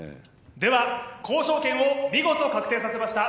では交渉権を見事確定させました